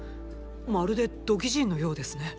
まるで土器人のようですね。